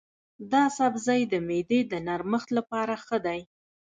دا سبزی د معدې د نرمښت لپاره ښه دی.